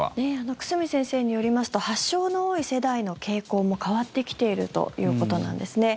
久住先生によりますと発症の多い世代の傾向も変わってきているということなんですね。